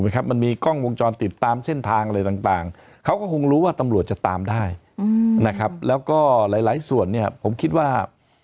เขาก็คงรู้ว่าตำรวจจะตามได้อืมนะครับแล้วก็หลายหลายส่วนเนี้ยผมคิดว่า